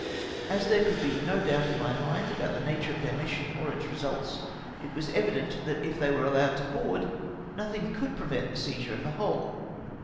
As there could be no doubt in my mind about the nature of their mission or its result, it was evident that if they were allowed to board, nothing could pre vent the seizure of the whole.